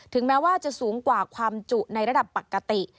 แม้ว่าจะสูงกว่าความจุในระดับปกติ